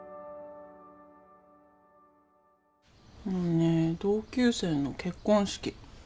今日ね同級生の結婚式。